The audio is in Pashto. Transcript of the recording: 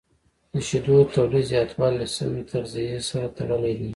د شیدو تولید زیاتوالی له سمه تغذیې سره تړلی دی.